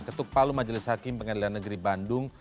ketuk palu majelis hakim pengadilan negeri bandung